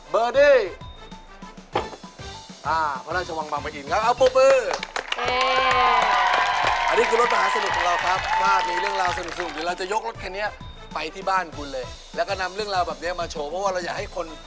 เพราะว่าเราก็อยากให้คน